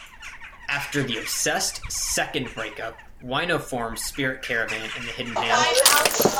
After The Obsessed second break up, Wino formed Spirit Caravan and The Hidden Hand.